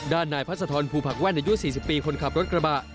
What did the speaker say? ด้านนายพัศธรภูผักแว่นอายุ๔๐ปีคนขับรถกระบะ